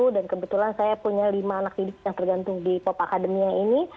dan kebetulan saya punya lima anak hidup yang tergantung di pop akademi yang ini